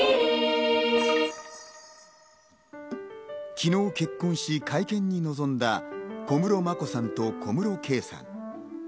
昨日結婚し、会見に臨んだ小室眞子さんと小室圭さん。